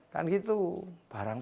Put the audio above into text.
dan itu barangnya